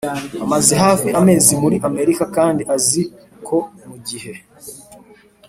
amaze hafi amezi muri Amerika kandi azi ko mu gihe